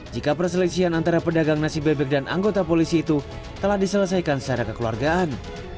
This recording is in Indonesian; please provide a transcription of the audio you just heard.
jika perseleksian antara pedagang nasi bebek dan anggota polisi itu telah diselesaikan secara kekeluargaan